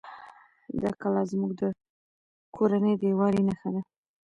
دا کلا زموږ د کورنۍ د یووالي نښه ده.